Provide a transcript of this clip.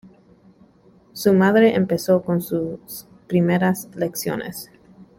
Su madre empezó con sus primeras lecciones.